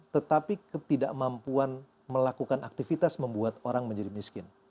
tetapi ketidakmampuan melakukan aktivitas membuat orang menjadi miskin